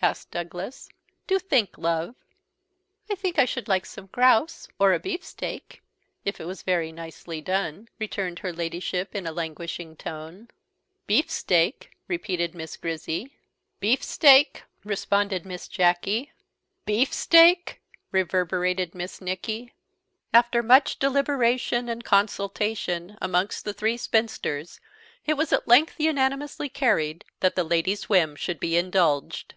asked Douglas. "Do think, love." "I think I should like some grouse, or a beefsteak, if it was very nicely done," returned her Ladyship in a languishing tone. "Beef steak!" repeated Miss Grizzy. "Beef steak!" responded Miss Jacky. "Beef steak!" reverberated Miss Nicky. After much deliberation and consultation amongst the three spinsters, it was at length unanimously carried that the Lady's whim should be indulged.